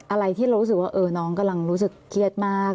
อะไรที่เรารู้สึกว่าน้องกำลังรู้สึกเครียดมาก